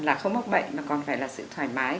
là không mắc bệnh mà còn phải là sự thoải mái